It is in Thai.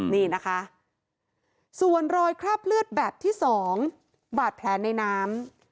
นี่นะคะส่วนรอยคราบเลือดแบบที่สองบาดแผลในน้ำ